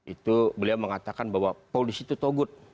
itu beliau mengatakan bahwa polisi itu togut